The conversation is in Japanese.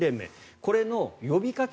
これの呼びかけ